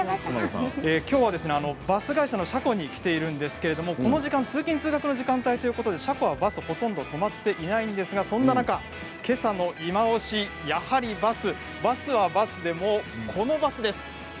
きょうはバス会社の車庫に来ているんですけれどこの時間通勤通学の時間帯ということで車庫にバスはほとんどとまっていませんが、その中けさのいまオシやはりバス、バスはバスでもこのバスです。